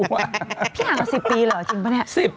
พี่ห่างมา๑๐ปีเหรอจริงปะเนี่ย